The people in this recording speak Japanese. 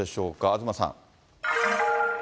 東さん。